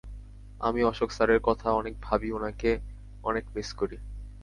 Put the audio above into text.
আমি অশোক স্যারের কথা অনেক ভাবি, উনাকে অনেক মিস করি।